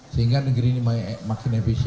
sehingga negeri ini makin efisien